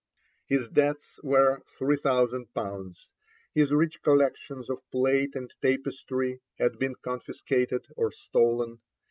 His debts were 3,000_l._ His rich collections of plate and tapestry had been confiscated or stolen.